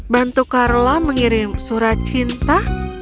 bantu carola mengirim surat cinta